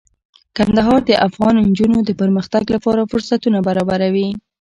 کندهار د افغان نجونو د پرمختګ لپاره فرصتونه برابروي.